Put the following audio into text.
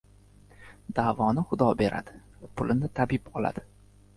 • Davoni Xudo beradi, pulini tabib oladi.